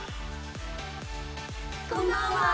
こんばんは。